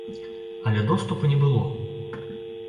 Але доступу не было!